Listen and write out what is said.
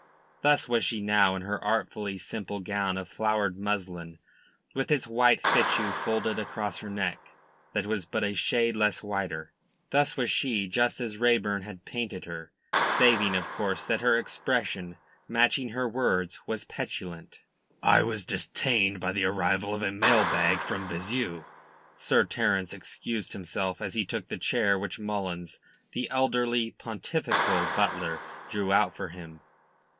Thus was she now in her artfully simple gown of flowered muslin with its white fichu folded across her neck that was but a shade less white; thus was she, just as Raeburn had painted her, saving, of course, that her expression, matching her words, was petulant. "I was detained by the arrival of a mail bag from Vizeu," Sir Terence excused himself, as he took the chair which Mullins, the elderly, pontifical butler, drew out for him.